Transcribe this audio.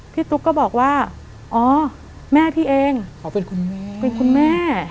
พี่ตุ๊กก็บอกว่าอ๋อแม่พี่เองเป็นคุณแม่